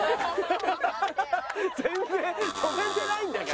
全然跳べてないんだから。